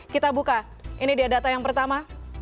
kita buka ini dia data yang pertama